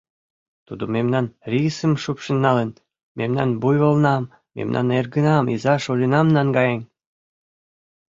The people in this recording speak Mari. Тудо мемнан рисым шупшын налын, мемнан буйволнам, мемнан эргынам, иза-шольынам наҥгаен.